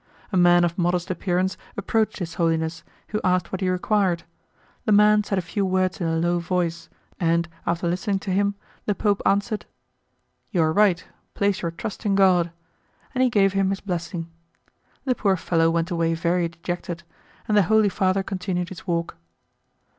A man of modest appearance approached His Holiness, who asked what he required; the man said a few words in a low voice, and, after listening to him, the Pope answered, "You are right, place your trust in God;" and he gave him his blessing. The poor fellow went away very dejected, and the Holy Father continued his walk.